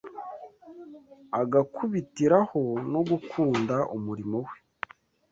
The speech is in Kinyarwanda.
agakubitiraho no gukunda umurimo we